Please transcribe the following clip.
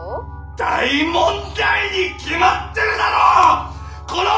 大問題に決まってるだろォォーッ！！